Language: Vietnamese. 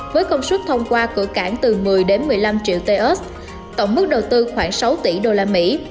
với công suất thông qua cửa cảng từ một mươi một mươi năm triệu tê ớt tổng mức đầu tư khoảng sáu tỷ đô la mỹ